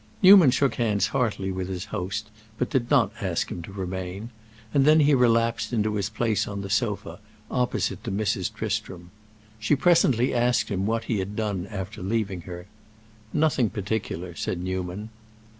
Newman shook hands heartily with his host, but did not ask him to remain; and then he relapsed into his place on the sofa, opposite to Mrs. Tristram. She presently asked him what he had done after leaving her. "Nothing particular," said Newman.